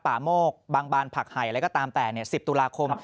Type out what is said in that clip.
ป่ามกบังบานภักษ์ไห่แล้วก็ตามแต่๑๐ธุระคม